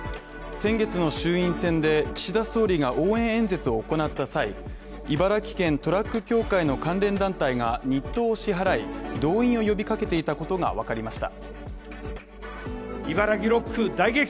先月の衆院選で岸田総理が応援演説を行った際、茨城県トラック協会の関連団体が、日当支払い動員を呼び掛けていたことがわかりました。